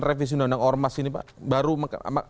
revisi undang undang ormas ini pak baru